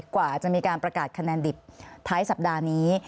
กว่าจะมีการประกาศคะแนนดิบท้ายสัปดาห์นี้